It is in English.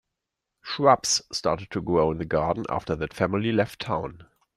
Shrubs started to grow in the garden after that family left town.